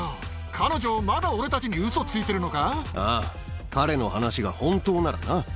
彼女、まだ俺たちにウソついてるああ、彼の話が本当ならな。